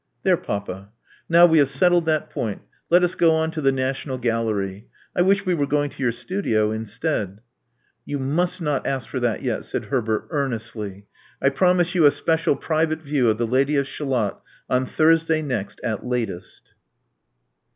There, papa. Now we have settled that point, let us go on to the National Gallery. I wish we were going to your studio instead." You must not ask for that yet," said Herbert earnestly. I promise you a special private view of *The Lady of Shalotf on Thursday next at latest."